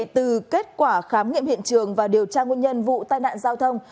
từ kết quả khám nghiệm hiện trường và điều tra nguyên nhân vụ tai nạn giao thông